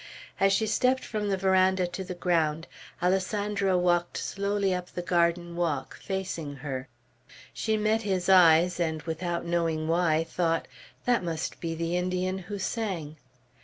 As she stepped from the veranda to the ground, Alessandro walked slowly up the garden walk, facing her. She met his eyes, and, without knowing why, thought, "That must be the Indian who sang."